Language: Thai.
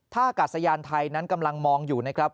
อากาศยานไทยนั้นกำลังมองอยู่นะครับ